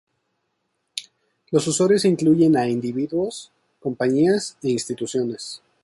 Los usuarios incluyen a individuos, compañías e instituciones.